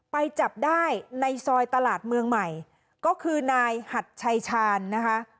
ไปจับได้ในซอยตลาดเมืองใหม่ก็คือนายหัดชัยชาญนะคะ